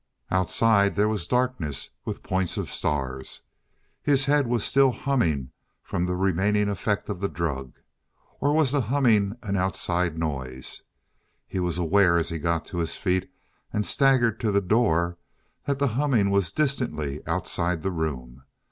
Outside there was darkness, with points of stars. His head was still humming from the remaining effect of the drug. Or was the humming an outside noise? He was aware as he got to his feet and staggered to the door, that the humming was distantly outside the room.